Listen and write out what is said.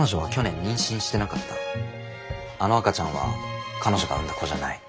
あの赤ちゃんは彼女が産んだ子じゃない。